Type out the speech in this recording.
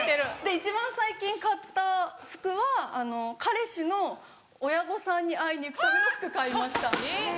一番最近買った服は彼氏の親御さんに会いに行くための服買いました。